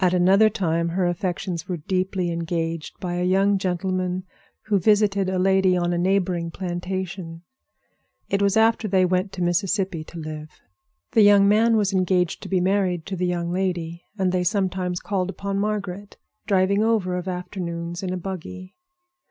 At another time her affections were deeply engaged by a young gentleman who visited a lady on a neighboring plantation. It was after they went to Mississippi to live. The young man was engaged to be married to the young lady, and they sometimes called upon Margaret, driving over of afternoons in a buggy.